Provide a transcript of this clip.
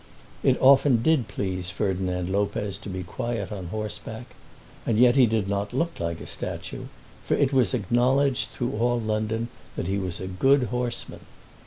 It often did please Ferdinand Lopez to be quiet on horseback; and yet he did not look like a statue, for it was acknowledged through all London that he was a good horseman.